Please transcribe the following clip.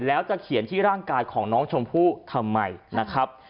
แล้วจะเขียนที่ร่างกายของน้องชมพู่ทำไมนะครับ